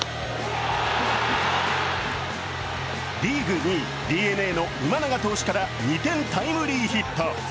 リーグ２位、ＤｅＮＡの今永投手から２点タイムリーヒット。